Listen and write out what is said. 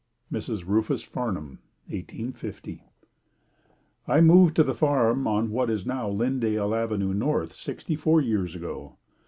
Mrs. Rufus Farnham 1850. I moved to the farm on what is now Lyndale Avenue North, sixty four years ago.